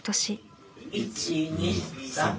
１２３。